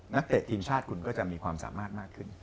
เตะทีมชาติคุณก็จะมีความสามารถมากขึ้น